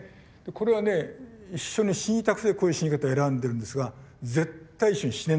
これはね一緒に死にたくてこういう死に方を選んでるんですが絶対一緒に死ねない。